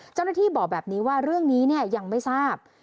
เจ้าหน้าที่บอกแบบนี้ว่าเรื่องนี้ยังไม่ทราบ